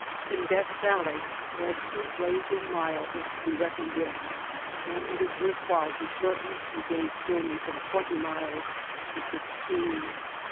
In Death Valley every blazing mile is to be reckoned with and it is worth while to shorten a day's journey from twenty miles to sixteen.